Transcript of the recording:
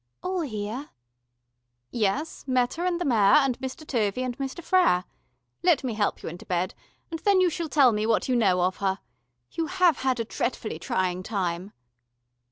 "All here?" "Yes, Meta and the Mayor and Mr. Tovey and Mr. Frere. Let me help you into bed, and then you shall tell me what you know of her. You have had a dretfully trying time."